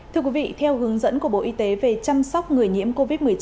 thưa quý vị theo hướng dẫn của bộ y tế về chăm sóc người nhiễm covid một mươi chín